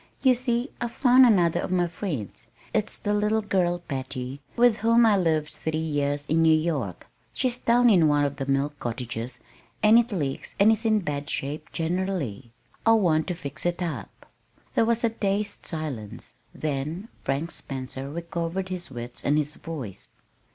You see I've found another of my friends. It's the little girl, Patty, with whom I lived three years in New York. She's down in one of the mill cottages, and it leaks and is in bad shape generally. I want to fix it up." There was a dazed silence; then Frank Spencer recovered his wits and his voice.